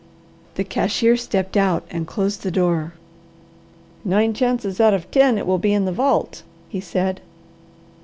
The cashier stepped out and closed the door. "Nine chances out of ten it will be in the vault," he said.